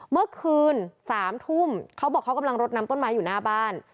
เมื่อคืน๓ทุ่มเขาบอกเขากำลังรดน้ำต้นไม้อยู่หน้าบ้าน